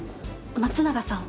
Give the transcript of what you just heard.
松永さん